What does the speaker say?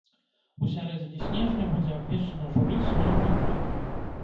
У сярэдзіне снежня будзе абвешчана журы сёлетняй прэміі.